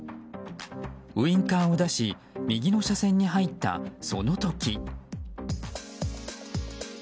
ウィンカーを出し右の車線に入ったその時。